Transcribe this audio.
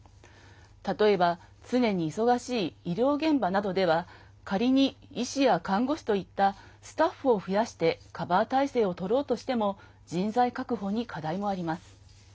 例えば常に忙しい医療現場などでは仮に医師や看護師といったスタッフを増やしてカバー体制をとろうとしても人材確保に課題もあります。